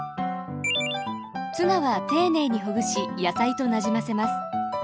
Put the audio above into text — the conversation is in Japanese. ツナは丁寧にほぐし野菜となじませます。